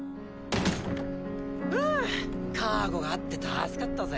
ふぅカーゴがあって助かったぜ。